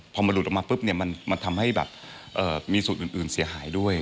พอมันหลุดออกมาปุ๊บเนี่ยมันทำให้แบบมีส่วนอื่นเสียหายด้วย